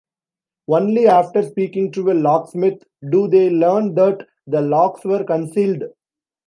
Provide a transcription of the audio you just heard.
Only after speaking to a locksmith do they learn that the locks were concealed.